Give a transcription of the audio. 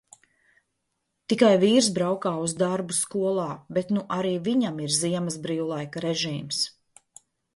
Tikai vīrs braukā uz darbu skolā, bet nu arī viņam ir ziemas brīvlaika režīms.